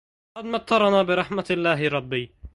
قد مطرنا برحمة الله ربي